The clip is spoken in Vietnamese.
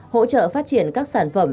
hỗ trợ phát triển các sản phẩm